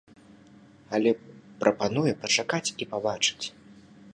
Але прапануе пачакаць і пабачыць.